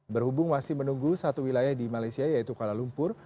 berhubung masih menunggu satu wilayah di malaysia yaitu kuala lumpur